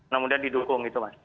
namun dia didukung gitu mas